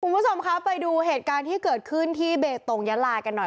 คุณผู้ชมคะไปดูเหตุการณ์ที่เกิดขึ้นที่เบตงยาลากันหน่อย